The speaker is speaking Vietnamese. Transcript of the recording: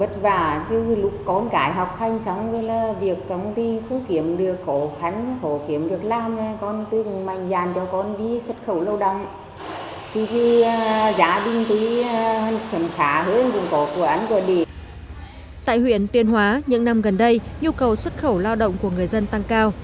tại huyện tuyên hóa những năm gần đây nhu cầu xuất khẩu lao động của người dân tăng cao